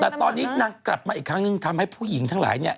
แต่ตอนนี้นางกลับมาอีกครั้งนึงทำให้ผู้หญิงทั้งหลายเนี่ย